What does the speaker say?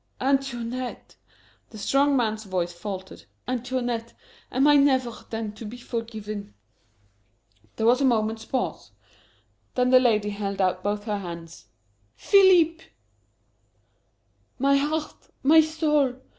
"Antoinette," the strong man's voice faltered, "Antoinette, am I never, then, to be forgiven?" There was a momentary pause. Then the lady held out both her hands. "Philippe!" "My heart! my soul!